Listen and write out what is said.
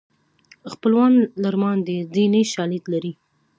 خپلوان لړمان دي دیني شالید لري